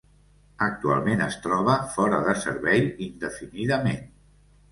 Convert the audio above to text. Actualment es troba fora de servei indefinidament.